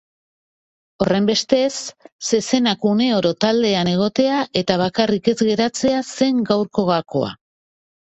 Horrenbestez, zezenak uneoro taldean egotea eta bakarrik ez geratzea zen gaurko gakoa.